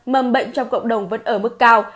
mầm bệnh trong cộng đồng vẫn ở mức cao